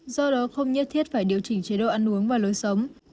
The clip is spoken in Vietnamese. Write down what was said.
do đó không nhất thiết phải điều chỉnh chế độ ăn uống và lối sống